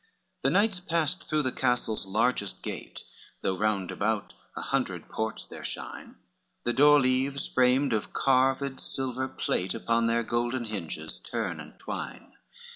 II The knights passed through the castle's largest gate, Though round about an hundred ports there shine, The door leaves framed of carved silver plate, Upon their golden hinges turn and twine.